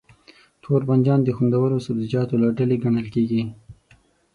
توربانجان د خوندورو سبزيجاتو له ډلې ګڼل کېږي.